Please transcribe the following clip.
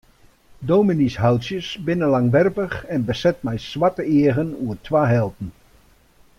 Dominyshoutsjes binne langwerpich en beset mei swarte eagen oer twa helten.